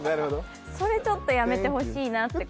それちょっとやめてほしいなって。